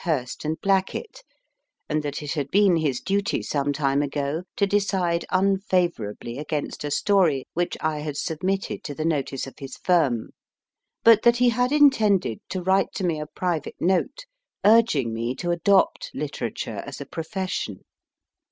Hurst & Blackett, and that it had been his duty some time ago to decide unfavourably against a story which I had submitted to the notice of his firm, but that he had intended to write to me a private note urging me to adopt literature as a profession.